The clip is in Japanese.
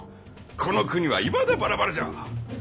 この国はいまだバラバラじゃ。